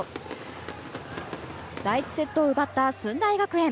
第１セットを奪った駿台学園。